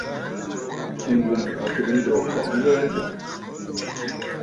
Ngum a tɨgə̀ ǹlo ŋkɔꞌɔ ŋghɛɛ a ndúgú.